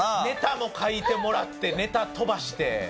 ネタも書いてもらってネタ飛ばして。